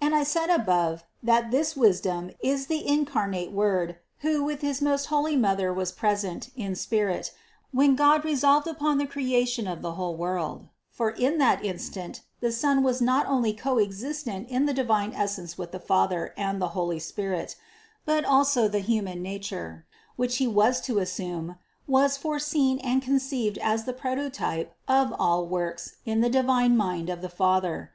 And I said above (No. 54) that this Wisdom is the incarnate Word, who with his most holy Mother was present, in spirit, when God resolved upon the creation of the whole world; for in that instant the Son was not only coexistent in divine essence with the Father and the Holy Spirit, but also the human nature, which He was to assume, was foreseen and conceived as the pro totype of all works in the divine mind of the Father.